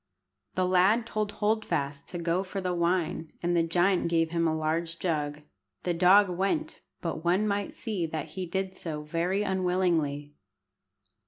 The lad told Hold fast to go for the wine, and the giant gave him a large jug. The dog went, but one might see that he did so very unwillingly.